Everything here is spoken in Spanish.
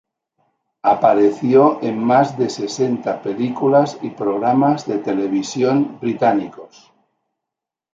Apareció en más de sesenta películas y programas de televisión británicos.